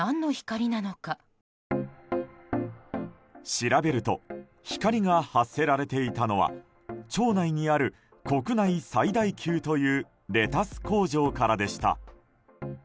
調べると光が発せられていたのは町内にある国内最大級というレタス工場からでした。